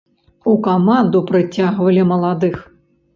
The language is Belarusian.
У каманду прыцягвалі маладых.